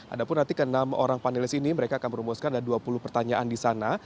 ada pun nanti ke enam orang panelis ini mereka akan merumuskan ada dua puluh pertanyaan di sana